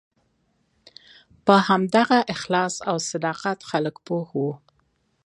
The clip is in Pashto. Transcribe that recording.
په همدغه اخلاص او صداقت خلک پوه وو.